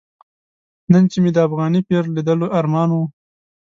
نن چې مې د افغاني پیر لیدلو ارمان و.